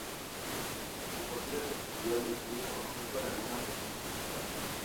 Su partida contribuyó al declive económico en algunas regiones de España.